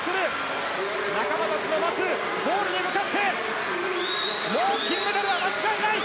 仲間たちの待つゴールに向かってもう金メダルは間違いない！